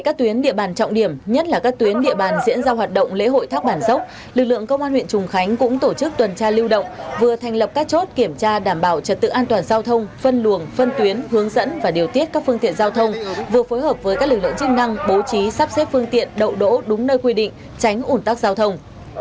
các tuyến địa bàn trọng điểm nhất là các tuyến địa bàn diễn ra hoạt động lễ hội thác bản dốc lực lượng công an huyện trùng khánh cũng tổ chức tuần tra lưu động vừa thành lập các chốt kiểm tra đảm bảo trật tự an toàn giao thông phân luồng phân tuyến hướng dẫn và điều tiết các phương tiện giao thông vừa phối hợp với các lực lượng chức năng bố trí sắp xếp phương tiện đậu đỗ đúng nơi quy định tránh ủn tắc giao thông